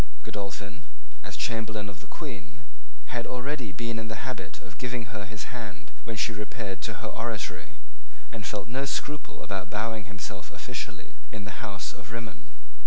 Godolphin, as Chamberlain of the Queen, had already been in the habit of giving her his hand when she repaired to her oratory, and felt no scruple about bowing himself officially in the house of Rimmon.